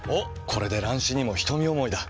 これで乱視にも瞳思いだ。